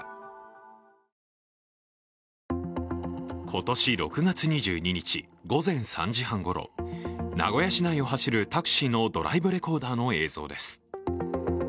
今年６月２２日、午前３時半ごろ、名古屋市内を走るタクシーのドライブレコーダーの映像です。